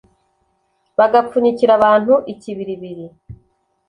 Bagapfunyikira abantu ikibiribiri